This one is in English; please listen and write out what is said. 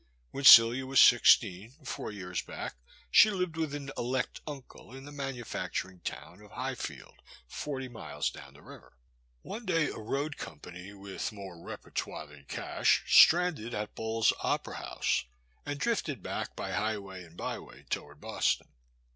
When Celia was sixteen, four years back, she lived with an elect uncle in the manufacturing town of High field, forty miles down the river. One day a road company with more repertoire than cash, stranded at Bowles' Opera House and drifted back by high way and b3rway toward Boston.